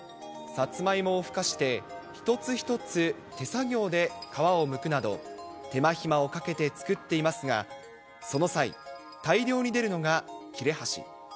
さつまいもをふかして、一つ一つ手作業で皮をむくなど、手間暇をかけて作っていますが、その際、大量に出るのが切れ端。